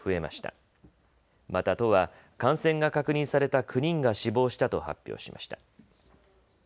また都は感染が確認された９人が死亡したと発表しました。